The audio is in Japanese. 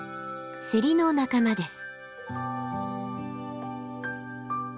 セリの仲間です。